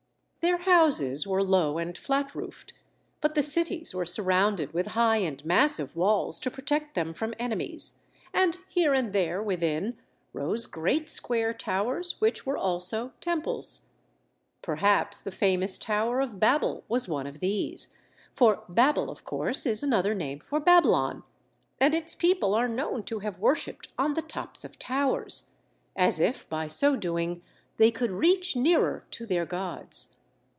Their houses were low and flat roofed, but the cities were surrounded with high and massive walls to protect them from enemies, and here and there within rose great square towers which were also temples. Perhaps the famous Tower of Babel was one of these, for Babel, of course, is another name for Babylon, and its people are known to have worshipped on the tops of towers, as if, by so doing, they could reach nearer to their gods.